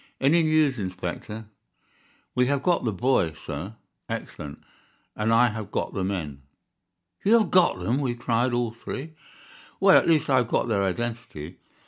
"Any news, Inspector?" "We have got the boy, sir." "Excellent, and I have got the men." "You have got them!" we cried, all three. "Well, at least I have got their identity.